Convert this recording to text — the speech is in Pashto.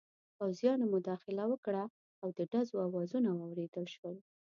پوځیانو مداخله وکړه او د ډزو اوازونه واورېدل شول.